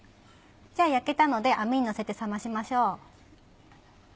じゃあ焼けたので網にのせて冷ましましょう。